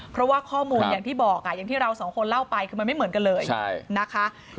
เพราะว่าข้อมูลอย่างที่บอกอย่างที่เราสองคนเล่าไปคือมันไม่เหมือนกันเลยนะคะ